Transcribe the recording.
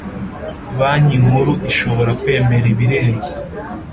Banki Nkuru ishobora kwemera ibirenze